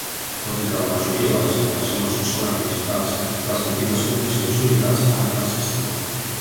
Tot i que la majoria de les impressions són ara digitals, les antigues condicions i unitats han persistit.